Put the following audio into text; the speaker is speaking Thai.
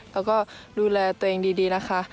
แล้วก็ดูแลตัวเองดีนะคะ